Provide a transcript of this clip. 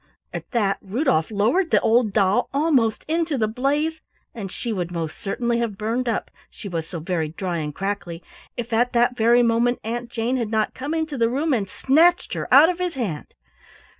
At that Rudolf lowered the old doll almost into the blaze, and she would most certainly have burned up, she was so very dry and crackly, if at that very moment Aunt Jane had not come into the room and snatched her out of his hand.